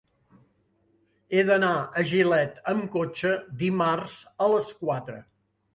He d'anar a Gilet amb cotxe dimarts a les quatre.